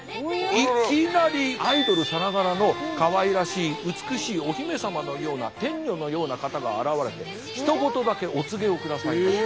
いきなりアイドルさながらのかわいらしい美しいお姫様のような天女のような方が現れてひと言だけお告げをくださいました。